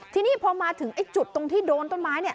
ที่นี่พอมาถึงจุดตรงที่โดนต้นไม้